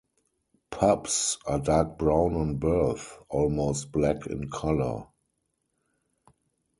Pups are dark brown on birth, almost black in colour.